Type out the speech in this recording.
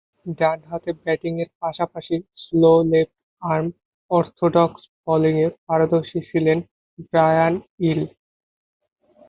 ডানহাতে ব্যাটিংয়ের পাশাপাশি স্লো লেফট-আর্ম অর্থোডক্স বোলিংয়ে পারদর্শী ছিলেন ব্রায়ান ইল।